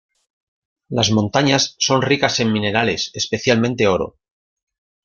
Las montañas son ricas en minerales, especialmente oro.